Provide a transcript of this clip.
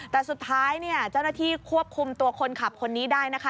แต่สุดท้ายเนี่ยเจ้าหน้าที่ควบคุมตัวคนขับคนนี้ได้นะคะ